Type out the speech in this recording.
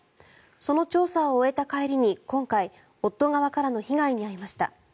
その調査を終えた帰りに今回夫側からの被害に遭いました。